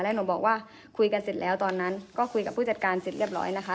แล้วหนูบอกว่าคุยกันเสร็จแล้วตอนนั้นก็คุยกับผู้จัดการเสร็จเรียบร้อยนะคะ